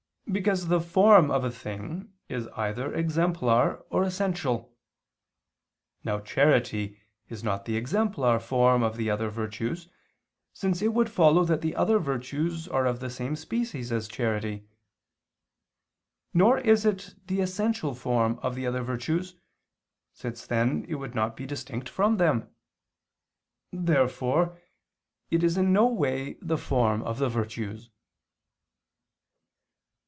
Because the form of a thing is either exemplar or essential. Now charity is not the exemplar form of the other virtues, since it would follow that the other virtues are of the same species as charity: nor is it the essential form of the other virtues, since then it would not be distinct from them. Therefore it is in no way the form of the virtues.